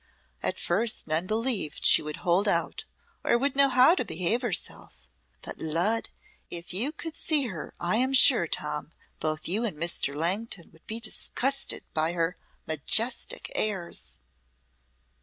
At first none believed she would hold out or would know how to behave herself, but Lud! if you could see her I am sure, Tom, both you and Mr. Langton would be disgusted by her majestic airs.